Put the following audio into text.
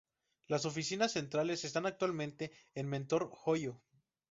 Las oficinas centrales están actualmente en Mentor, Ohio.